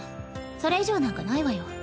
それ以上なんかないわよ。